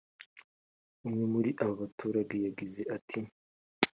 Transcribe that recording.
umwe muri abo baturage yagize ati